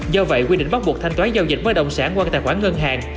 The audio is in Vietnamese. do vậy quy định bắt buộc thanh toán giao dịch với đồng sản qua tài khoản ngân hàng